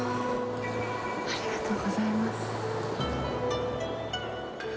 ありがとうございます。